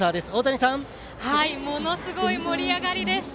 ものすごい盛り上がりです。